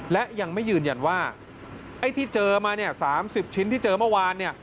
และยังไม่ยืนยันว่าไอ้ที่เจอมาเนี่ย๓๐ชิ้นที่เจอเมื่อวานเนี่ย